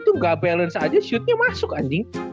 itu nggak balance aja shootnya masuk anjing